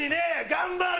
頑張れ！